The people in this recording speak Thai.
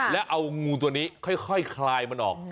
แล้วเอางูตัวนี้ค่อยคลายมันออก